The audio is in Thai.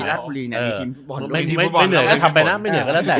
รักบุรีเนี่ยมีทีมภูมิบอร์น